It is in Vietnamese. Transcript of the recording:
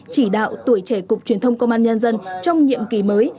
chỉ đạo tuổi trẻ cục truyền thông công an nhân dân trong nhiệm kỳ mới